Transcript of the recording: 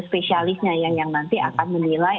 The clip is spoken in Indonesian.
spesialisnya yang nanti akan menilai